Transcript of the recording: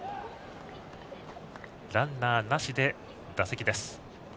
ランナーなしで打席です。